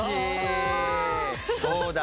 そうだ。